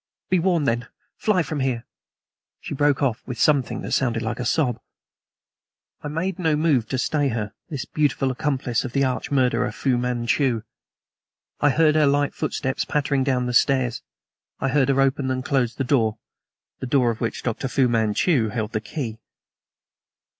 Be warned, then; fly from here " She broke off with something that sounded like a sob. I made no move to stay her this beautiful accomplice of the arch murderer, Fu Manchu. I heard her light footsteps pattering down the stairs, I heard her open and close the door the door of which Dr. Fu Manchu held the key.